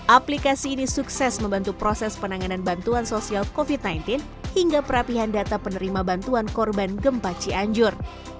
aplikasi ini sukses membantu proses penanganan bantuan sosial covid sembilan belas hingga perapihan data penerima bantuan korban gempa cianjur